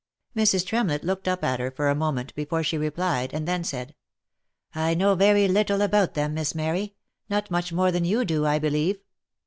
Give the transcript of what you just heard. Mrs. Tremlett looked up at her for a moment before she replied, and then said, " I know very little about them, Miss Mary, — not much more than you do, I believe."